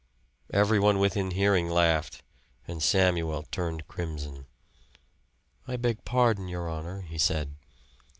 Everyone within hearing laughed; and Samuel turned crimson. "I beg pardon, your honor," he said.